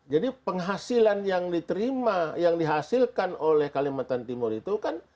jadi penghasilan yang diterima yang dihasilkan oleh kalimantan timur itu kan